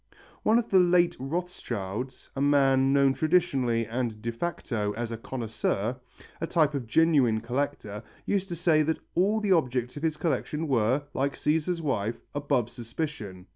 One of the late Rothschilds, a man known traditionally and de facto as a connoisseur, a type of genuine collector, used to say that all the objects of his collection were, like Cæsar's wife, above suspicion.